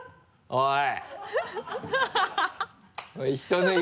おい！